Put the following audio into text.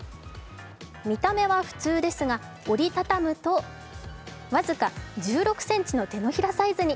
見た目は普通ですが折りたたむと僅か１６ｃｍの手のひらサイズに。